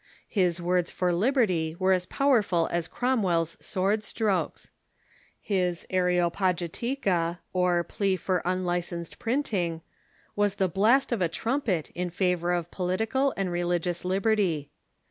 His words for lib erty were as powerful as Cromwell's sword strokes. His " Are opagitica, or Plea for Unlicensed Printing," was the blast of a trumpet in favor of political and religious liberty.